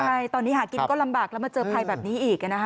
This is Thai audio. ใช่ตอนนี้หากินก็ลำบากแล้วมาเจอภัยแบบนี้อีกนะคะ